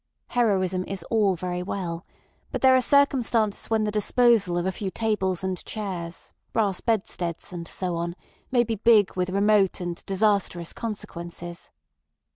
Heroism is all very well, but there are circumstances when the disposal of a few tables and chairs, brass bedsteads, and so on, may be big with remote and disastrous consequences.